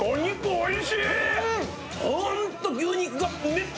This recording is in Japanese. おいしい。